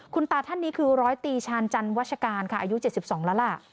คุณตาท่านนี้คือร้อยตีชาญจันวัชการค่ะอายุ๗๒แล้วล่ะ